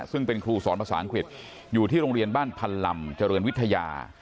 ซึ่งเป็นครูสอนภาษาอังกฤษอยู่ที่โรงเรียนบ้านพันลำเจริญวิทยา